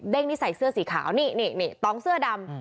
นี่ใส่เสื้อสีขาวนี่ต้องเสื้อดำ